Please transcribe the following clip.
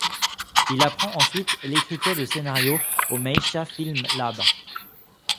Il apprend ensuite l'écriture de scénarios au Maisha Film Lab.